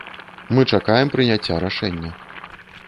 Мы чакаем прыняцця рашэння.